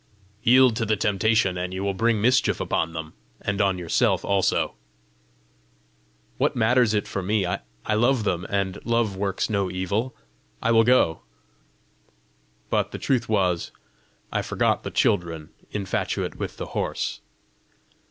"Yield to the temptation and you will bring mischief upon them and on yourself also." "What matters it for me? I love them; and love works no evil. I will go." But the truth was, I forgot the children, infatuate with the horse.